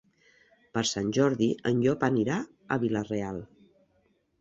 Per Sant Jordi en Llop anirà a Vila-real.